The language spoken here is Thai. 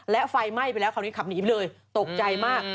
และไฟไหม้ไปแล้วคราวนี้ขับหนีไปเลยตกใจมาก